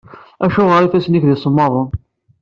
Acuɣer ifassen-ik d isemmaḍen?